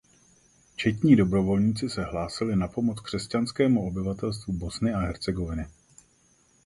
Četní dobrovolníci se hlásili na pomoc křesťanskému obyvatelstvu Bosny a Hercegoviny.